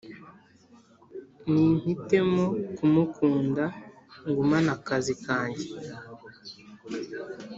nimpitemo kumukunda ngumane akazi kajye